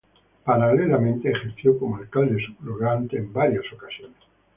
Paralelamente, ejerció como alcalde subrogante en varias ocasiones.